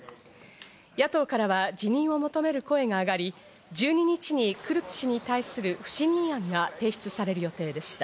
野党からは辞任を求める声が上がり、１２日にクルツ氏に対する不信任案が提出される予定でした。